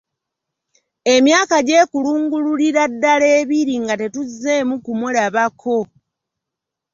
Emyaka gyekulungulira ddala ebiri nga tetuzzeemu kumulabako.